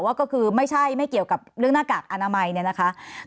ก็คือไม่ใช่ไม่เกี่ยวกับเรื่องหน้ากากอนามัยเนี่ยนะคะ